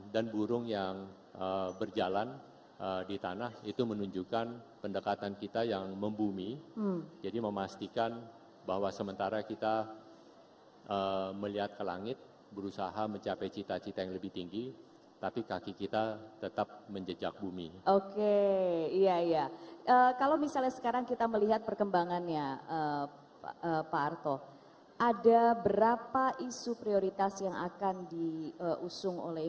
dengan dampak yang luas tidak hanya untuk myanmar sendiri